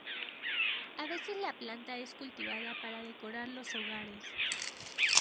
A veces la planta es cultivada para decorar los hogares.